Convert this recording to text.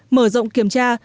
mở rộng kiểm tra